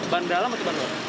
ban dalam atau ban